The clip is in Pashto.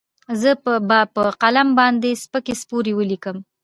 زه به په قلم باندې سپکې سپورې وليکم.